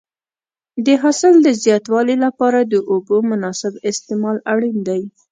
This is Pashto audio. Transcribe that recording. د حاصل د زیاتوالي لپاره د اوبو مناسب استعمال اړین دی.